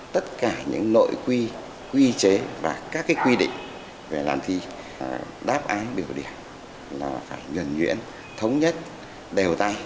tất cả những nội quy quy chế và các quy định về làm thi đáp án biểu điểm là phải nhuẩn nhuyễn thống nhất đều tay